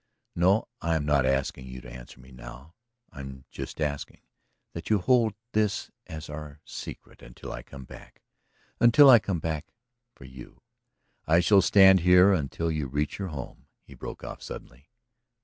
... No; I am not asking you to answer me now. I am just asking that you hold this as our secret until I come back. Until I come back for you! ... I shall stand here until you reach your home," he broke off suddenly.